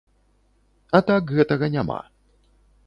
А так гэтага няма.